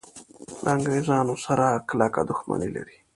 له انګریزانو سره کلکه دښمني لري.